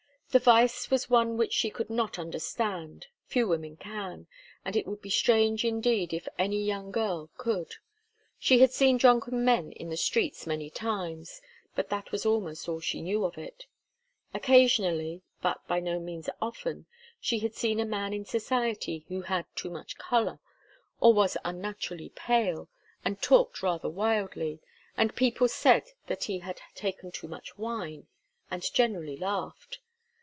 The vice was one which she could not understand. Few women can; and it would be strange, indeed, if any young girl could. She had seen drunken men in the streets many times, but that was almost all she knew of it. Occasionally, but by no means often, she had seen a man in society who had too much colour, or was unnaturally pale, and talked rather wildly, and people said that he had taken too much wine and generally laughed.